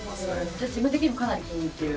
じゃあ自分的にもかなり気に入ってる？